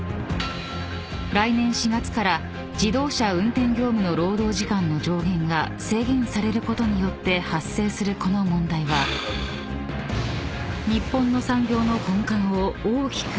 ［来年４月から自動車運転業務の労働時間の上限が制限されることによって発生するこの問題は日本の］